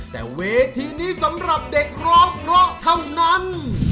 แต่เวทีนี้สำหรับเด็กร้องเพราะเท่านั้น